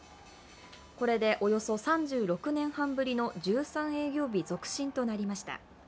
これでおよそ３６年半ぶりの１３営業日続伸となりました。